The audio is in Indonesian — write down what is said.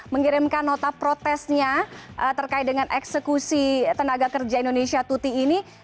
mengirimkan nota protesnya terkait dengan eksekusi tenaga kerja indonesia tuti ini